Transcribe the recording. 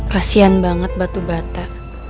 kasian banget batu bata